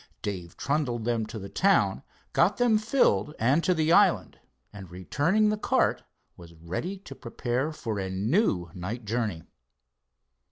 Dave trundled them to the town, got them filled and to the island, and, returning the cart, was ready to prepare for a new night journey.